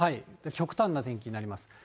極端な天気になります。